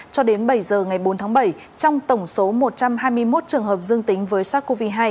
cho đến bảy giờ ngày bốn tháng bảy trong tổng số một trăm hai mươi một trường hợp dương tính với sars cov hai